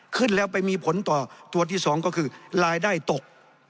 ขึ้นแล้วไปมีผลต่อตัวที่๒ก็คือรายได้ตก